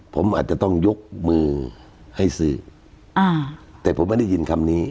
ผมอาจจะต้องยกมือให้สื่ออ่าแต่ผมไม่ได้ยินคำนี้